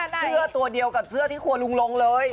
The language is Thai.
เสื้อตัวเดียวกับเสื้อที่ครัวลุงลงเลย